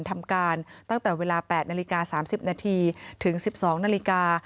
ทำการตั้งแต่เวลา๘นาฬิกา๓๐นาทีถึง๑๒นาฬิกา